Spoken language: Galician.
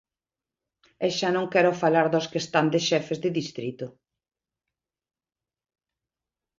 E xa non quero falar dos que están de xefes de distrito.